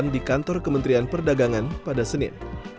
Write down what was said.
di kantor kementerian perdagangan pada senin